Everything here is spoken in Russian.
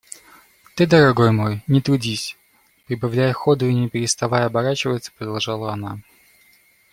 Ты, дорогой мой, не трудись! – прибавляя ходу и не переставая оборачиваться, продолжала она.